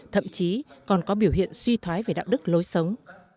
thậm chí còn có biểu hiện suy thoái về đạo đức lối sống